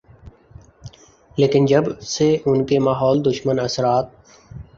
لیکن جب سے ان کے ماحول دشمن اثرات